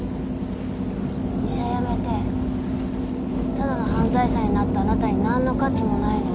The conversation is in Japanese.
医者辞めてただの犯罪者になったあなたに何の価値もないの。